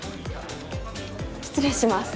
失礼します。